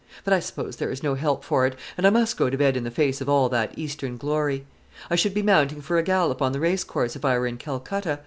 But I suppose there is no help for it, and I must go to bed in the face of all that eastern glory. I should be mounting for a gallop on the race course, if I were in Calcutta.